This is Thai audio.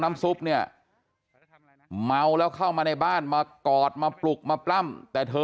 ซุปเนี่ยเมาแล้วเข้ามาในบ้านมากอดมาปลุกมาปล้ำแต่เธอ